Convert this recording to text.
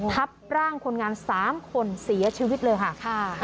ทับร่างคนงาน๓คนเสียชีวิตเลยค่ะ